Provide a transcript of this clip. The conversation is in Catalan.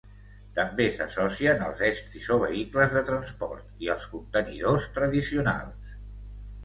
També s'associen als estris o vehicles de transport i als contenidors tradicionals.